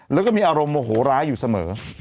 แล้วก็มีอารมณ์โมโหร้ายอยู่เสมอ